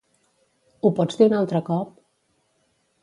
Ho pots dir un altre cop?